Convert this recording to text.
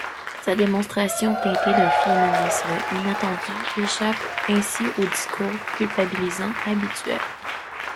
Sa démonstration teintée d’un féminisme inattendu, échappe ainsi aux discours culpabilisants habituels.